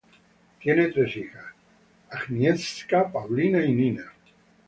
Tiene tres hijas, Agnieszka, Paulina y Nina.